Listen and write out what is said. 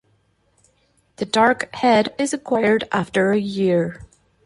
The dark head is acquired after a year.